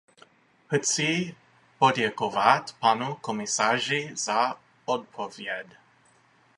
Chci poděkovat panu komisaři za odpověď.